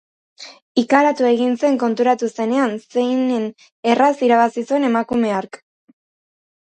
Ikaratu egin zen konturatu zenean zeinen erraz irabazi zuen emakume hark.